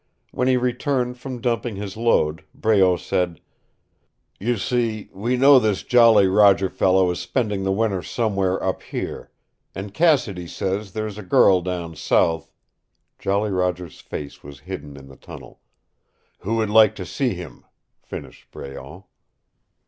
When he returned from dumping his load, Breault said: "You see, we know this Jolly Roger fellow is spending the winter somewhere up here. And Cassidy says there is a girl down south " Jolly Roger's face was hidden in the tunnel. " who would like to see him," finished Breault.